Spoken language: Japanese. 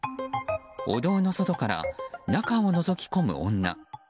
お堂の外から、中をのぞき込む女。